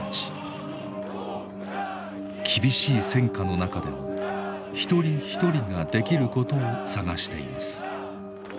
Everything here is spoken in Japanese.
厳しい戦火の中でも一人一人ができることを探しています。